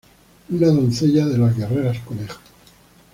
Una doncella de las Guerreras Conejo.